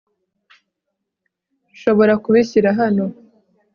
nshobora kubishyira hano